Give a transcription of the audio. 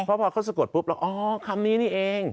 เพราะพอเขาสะกดปุ๊บเราอ๋อคำนี้นี่เอง